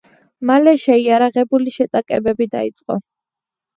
მალე შეიარაღებული შეტაკებები დაიწყო.